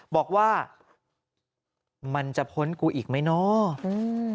บอกว่ามันจะพ้นกูอีกไหมเนาะ